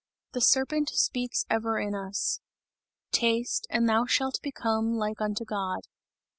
The serpent speaks ever in us: "Taste and thou shalt become like unto God."